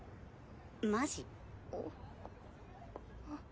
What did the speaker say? マジ？あっ。